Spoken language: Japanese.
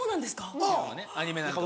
アニメなんかはね。